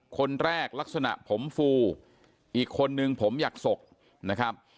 คนแรกลักษณะผมฟูอีกคนนึงผมอยากศกนะครับ